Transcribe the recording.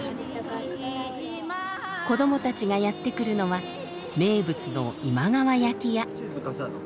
子供たちがやって来るのは名物の今川焼き屋。